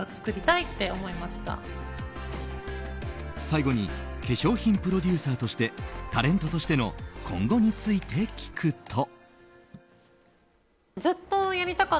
最後に化粧品プロデューサーとしてタレントとしての今後について聞くと。